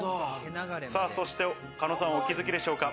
そして狩野さん、お気づきでしょうか？